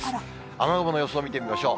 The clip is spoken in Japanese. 雨雲の予想を見てみましょう。